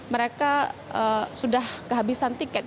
mereka sudah kehabisan tiket